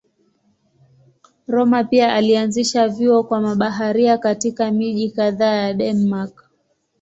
Rømer pia alianzisha vyuo kwa mabaharia katika miji kadhaa ya Denmark.